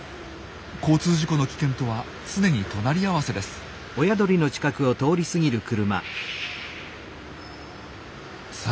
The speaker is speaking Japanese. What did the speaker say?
交通事故の危険とは常に隣り合わせです。